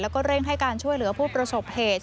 แล้วก็เร่งให้การช่วยเหลือผู้ประสบเหตุ